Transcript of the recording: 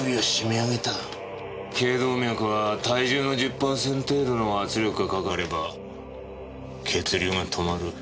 頸動脈は体重の１０パーセント程度の圧力が掛かれば血流が止まる。